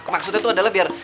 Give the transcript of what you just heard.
maksudnya tuh biar